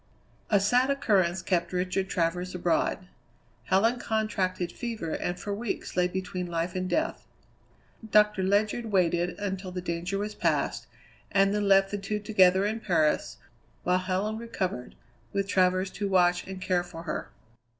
A sad occurrence kept Richard Travers abroad. Helen contracted fever and for weeks lay between life and death. Doctor Ledyard waited until the danger was past, and then left the two together in Paris, while Helen recovered, with Travers to watch and care for her.